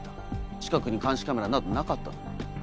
近くに監視カメラなどなかったのに。